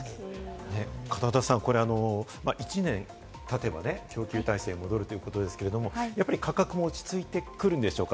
片田さん、１年たてばね、供給体制が戻るということですけれども、価格も落ち着いてくるんでしょうか？